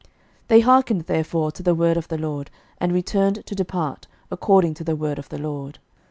They hearkened therefore to the word of the LORD, and returned to depart, according to the word of the LORD.